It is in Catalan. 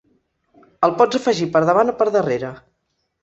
El pots afegir per davant o per darrere.